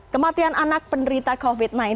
kematian anak penderita covid sembilan belas